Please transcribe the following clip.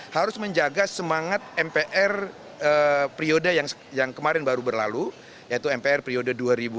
harus menjaga semangat mpr periode yang kemarin baru berlalu yaitu mpr periode dua ribu empat belas dua ribu sembilan belas